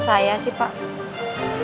oh saya sih pak